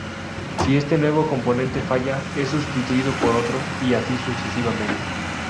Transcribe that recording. Si este nuevo componente falla, es sustituido por otro, y así sucesivamente.